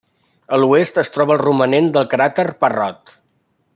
A l'oest es troba el romanent del cràter Parrot.